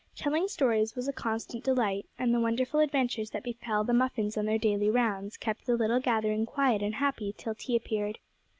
Telling stories was a constant delight, and the wonderful adventures that befell the muffins on their daily rounds kept the little gathering quiet and happy till tea appeared.